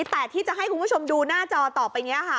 แต่ที่จะให้คุณผู้ชมดูหน้าจอต่อไปนี้ค่ะ